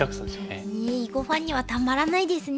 囲碁ファンにはたまらないですね。